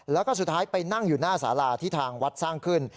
แล้วก็สุดท้ายไปนั่งอยู่หน้าสาราที่ทางวัดสร้างขึ้น